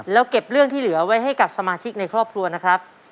แล้วเก็บเรื่องที่เหลือไว้ให้กับสมาชิกในครอบครัวนะครับ